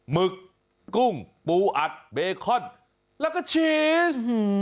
หึกกุ้งปูอัดเบคอนแล้วก็ชีส